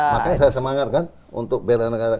makanya saya semangat kan untuk bela negara